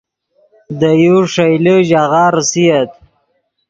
دے یو ݰئیلے ژاغہ ریسییت